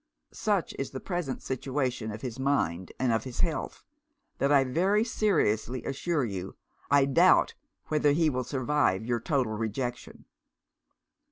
Such is the present situation of his mind and of his health, that I very seriously assure you I doubt whether he will survive your total rejection.'